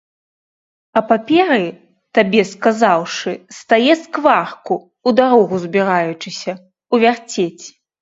А паперы, табе сказаўшы, стае скварку, у дарогу збіраючыся, увярцець.